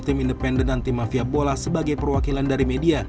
tim independen dan tim mafia bola sebagai perwakilan dari media